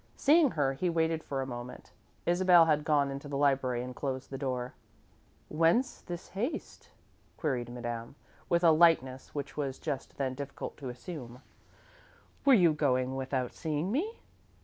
Seeing her, he waited for a moment. Isabel had gone into the library and closed the door. "Whence this haste?" queried Madame, with a lightness which was just then difficult to assume. "Were you going without seeing me?"